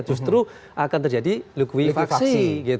justru akan terjadi lukifaksi